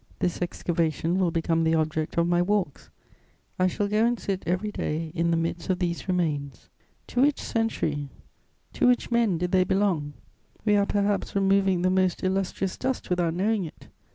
This excavation will become the object of my walks; I shall go and sit everyday in the midst of these remains. To which century, to which men did they belong? We are perhaps removing the most illustrious dust without knowing it.